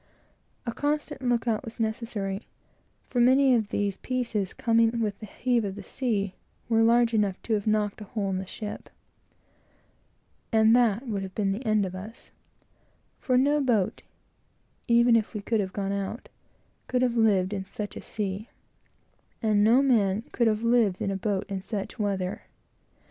A constant look out was necessary; for any of these pieces, coming with the heave of the sea, were large enough to have knocked a hole in the ship, and that would have been the end of us; for no boat (even if we could have got one out) could have lived in such a sea; and no man could have lived in a boat in such weather.